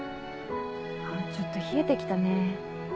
あっちょっと冷えてきたね。